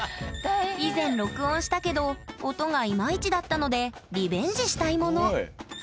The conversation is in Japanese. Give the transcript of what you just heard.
以前録音したけど音がイマイチだったのでリベンジしたいもの。